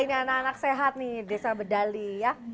ini anak anak sehat nih desa bedali ya